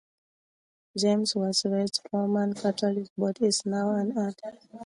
James was raised Roman Catholic but is now an atheist.